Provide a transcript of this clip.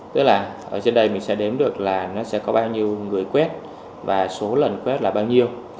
tức là ở trên đây mình sẽ đếm được là nó sẽ có bao nhiêu người quét và số lần quét là bao nhiêu